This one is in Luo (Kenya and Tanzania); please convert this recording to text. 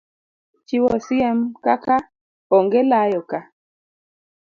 chiwo siem kaka Onge Layo Ka!